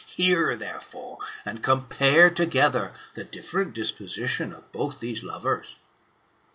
Hear, therefore, and compare together the different disposition of both these lovers."